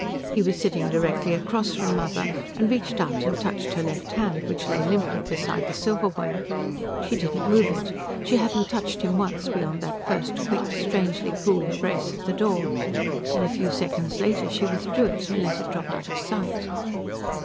He was sitting directly across from Mother, and reached out and touched her left hand which lay limply beside the silverware. She didn't move it she hadn't touched him once beyond that first, quick, strangely cool embrace at the door then a few seconds later she withdrew it and let it drop out of sight.